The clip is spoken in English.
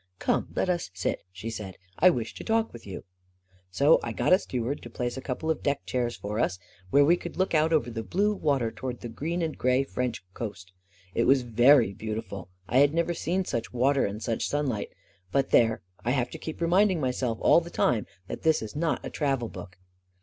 " Come, let us sit/' she said. " I wish to talk with you." So I got a steward to place a couple of deck chairs for us where we could look out over the blue water toward the green and gray French coast. It was very beautiful — I had never seen such water and such sunlight ; but there — I have to keep remind ing myself all the time that this is not a travel book.